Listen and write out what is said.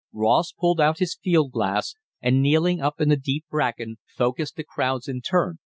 Ross pulled out his field glass, and, kneeling up in the deep bracken, focussed the crowds in turn.